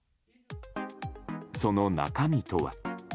その中身とは。